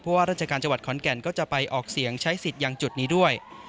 ว่าราชการจังหวัดขอนแก่นก็จะไปออกเสียงใช้สิทธิ์อย่างจุดนี้ด้วย